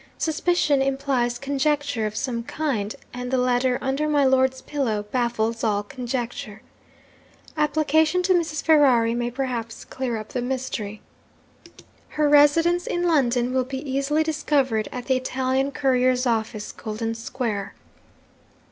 Suspicion implies conjecture of some kind and the letter under my lord's pillow baffles all conjecture. Application to Mrs. Ferrari may perhaps clear up the mystery. Her residence in London will be easily discovered at the Italian Couriers' Office, Golden Square.